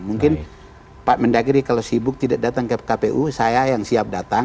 mungkin pak mendagri kalau sibuk tidak datang ke kpu saya yang siap datang